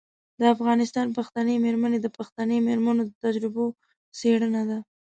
د افغانستان پښتنې میرمنې د پښتنې میرمنو د تجربو څیړنه ده.